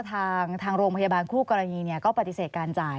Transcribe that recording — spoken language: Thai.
ทางโรงพยาบาลคู่กรณีก็ปฏิเสธการจ่าย